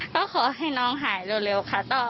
ก็ขอให้น้องหายเร็วค่ะ